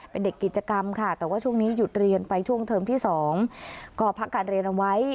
เป็นเด็กกิจกรรมค่ะแต่ว่าช่วงนี้หยุดเรียนไปช่วงเทอมที่๒ก็พักการเรียนเอาไว้